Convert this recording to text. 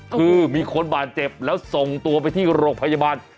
คือมีคนบาดเจ็บแล้วส่งตัวไปที่โรงพยาบาล